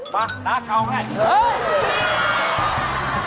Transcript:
มาตาเขาให้เฮ่ย